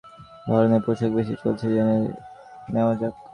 এবারের ঈদে বাজারে শিশুর কোন ধরনের পোশাক বেশি চলছে, জেনে নেওয়া যাক।